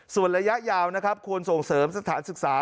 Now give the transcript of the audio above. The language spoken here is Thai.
ส่วนระยะยาวนะครับควรส่งเสริมสถานศึกษา